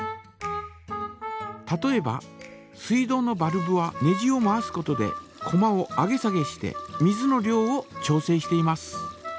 例えば水道のバルブはネジを回すことでこまを上げ下げして水の量を調整しています。